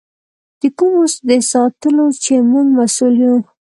د کومو د ساتلو چې موږ مسؤل یو.